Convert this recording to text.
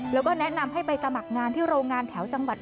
แล้วก็แนะนำให้ไปสมัครงานที่โรงงานแถวจังหวัด